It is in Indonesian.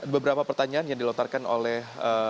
beberapa pertanyaan yang dilontarkan oleh